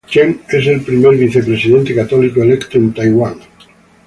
Chen es el primer vicepresidente católico electo en Taiwán.